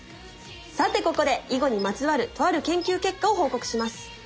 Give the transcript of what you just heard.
さてここで囲碁にまつわるとある研究結果を報告します。